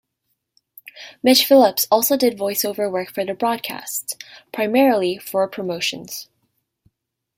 Mitch Phillips also did voice-over work for the broadcasts, primarily for promotions.